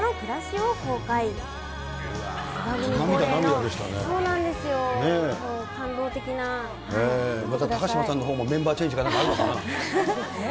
もう感動的高嶋さんのほうもメンバーチェンジがあるのかな。